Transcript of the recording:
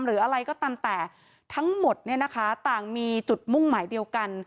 หรืออะไรก็ตามแต่ทั้งหมดเนี่ยนะคะต่างมีจุดมุ่งหมายเดียวกัน